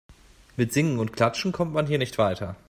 Mit Singen und Klatschen kommt man hier nicht weiter.